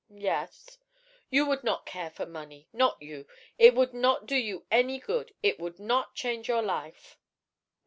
"Yes." "You would not care for money; not you. It would not do you any good. It would not change your life."